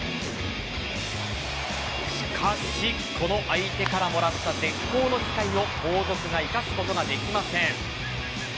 しかし、この相手からもらった絶好の機会を後続が生かすことができません。